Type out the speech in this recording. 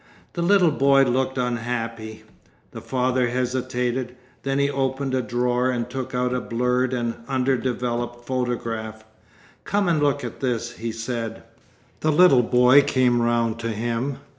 The little boy looked unhappy. The father hesitated. Then he opened a drawer and took out a blurred and under developed photograph. 'Come and look at this,' he said. The little boy came round to him.